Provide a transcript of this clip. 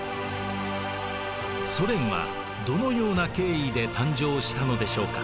ソ連はどのような経緯で誕生したのでしょうか？